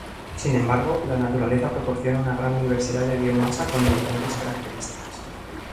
Sin embargo, la naturaleza proporciona una gran diversidad de biomasa con diferentes características.